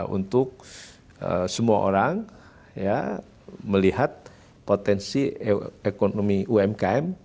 untuk semua orang melihat potensi ekonomi umkm